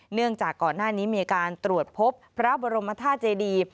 เนื่องจากก่อนหน้านี้มีการตรวจพบพระบรมธาตุเจดี